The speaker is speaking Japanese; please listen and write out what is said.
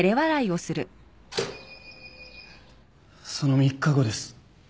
その３日後です